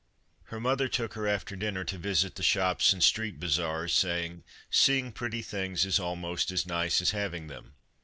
Her mother took her after dinner to visit the shops and street bazaars, saying: " Seeing pretty things is almost as nice as having them."